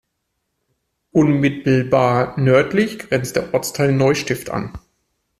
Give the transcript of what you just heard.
Unmittelbar nördlich grenzt der Ortsteil Neustift an.